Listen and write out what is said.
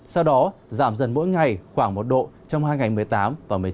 sau đó giảm dần mỗi ngày khoảng một độ trong hai ngày một mươi tám và một mươi chín